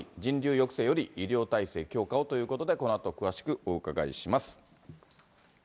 抑制より医療体制強化をということで、このあと詳しくお伺いします。